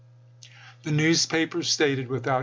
The newspapers stated (without chap.